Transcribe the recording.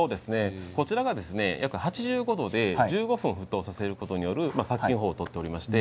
こちらが約８５度で１５分沸騰させることによる殺菌方法を取りまして